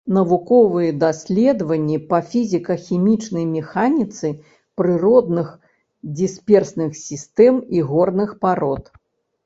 Навуковыя даследаванні па фізіка-хімічнай механіцы прыродных дысперсных сістэм і горных парод.